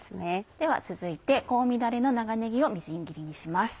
では続いて香味だれの長ねぎをみじん切りにします。